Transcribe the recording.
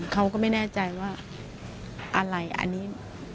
เขาก็ไม่แน่ใจว่าอะไรอันนี้